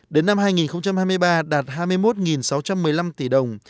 đến năm hai nghìn hai mươi ba đạt hai mươi một sáu trăm một mươi năm tỷ đồng